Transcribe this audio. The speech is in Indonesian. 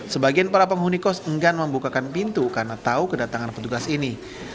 sebagian para penghuni kos enggan membukakan pintu karena tahu kedatangan petugas ini